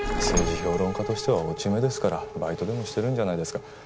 政治評論家としては落ち目ですからバイトでもしてるんじゃないですか？